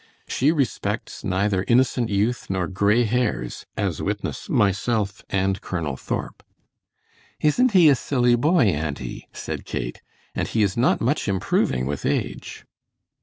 She respects neither innocent youth nor gray hairs, as witness myself and Colonel Thorp." "Isn't he a silly boy, auntie?" said Kate, "and he is not much improving with age."